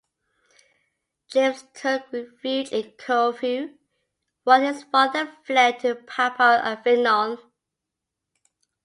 James took refuge in Corfu, while his father fled to Papal Avignon.